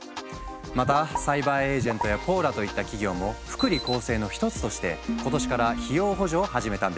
またサイバーエージェントやポーラといった企業も福利厚生の一つとして今年から費用補助を始めたんです。